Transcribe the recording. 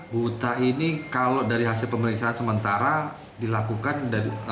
huta ini kalau dari hasil pemeriksaan sementara dilakukan dari ibu tirinya